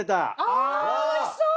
あおいしそう！